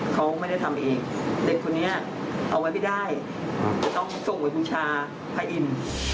เขาไม่ได้ทำอีกเด็กคนนี้เอาไว้ไม่ได้ต้องส่งไว้ภูมิชาภายอิม